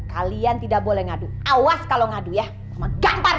kalian tidak boleh ngabu awas kalau ngadu ya merdeka ke unboxer kalian bisa ini